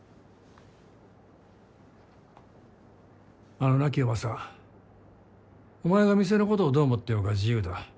あのな清正お前が店のことをどう思ってようが自由だ。